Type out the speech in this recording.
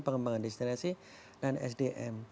pengembangan destinasi dan sdm